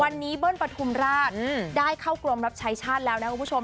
วันนี้เบิ้ลปฐุมราชได้เข้ากรมรับใช้ชาติแล้วนะคุณผู้ชม